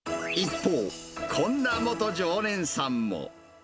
一方、こんな元常連さんも。